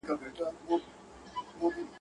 په پردي کور کي نه وي منلي ..